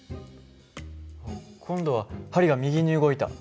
今度は針が右に動いた。